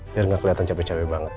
biar gak keliatan capek capek banget